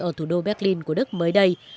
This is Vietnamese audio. ở thủ đô berlin của đức mới đây